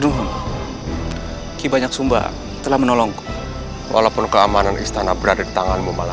dan tidak terlalu pas sama pengajar